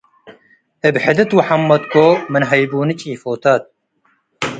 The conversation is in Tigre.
እብ ሕድት ወሐመድኮ - ምን ሀይቡኒ ጪፎታት